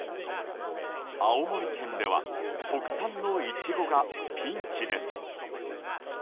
青森県では特産のイチゴがピンチです。